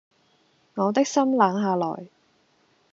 我的心冷下來